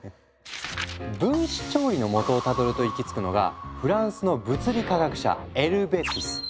分子料理のもとをたどると行き着くのがフランスの物理化学者エルヴェ・ティス。